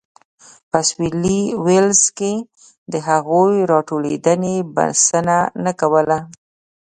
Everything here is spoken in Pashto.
په سوېلي ویلز کې د هغوی راټولېدنې بسنه نه کوله.